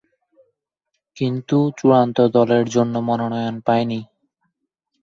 কিন্তু চূড়ান্ত দলের জন্য মনোনয়ন পাননি।